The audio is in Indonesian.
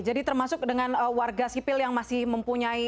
jadi termasuk dengan warga sipil yang masih mempunyai